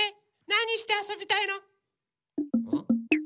なにしてあそびたいの？